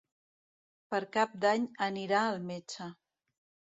Per Cap d'Any anirà al metge.